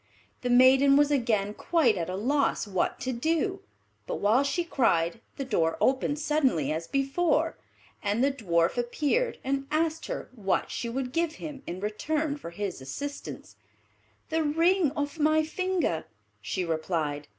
The maiden was again quite at a loss what to do; but while she cried the door opened suddenly, as before, and the Dwarf appeared and asked her what she would give him in return for his assistance. "The ring off my finger," she replied.